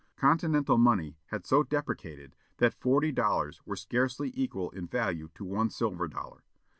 Continental money had so depreciated that forty dollars were scarcely equal in value to one silver dollar.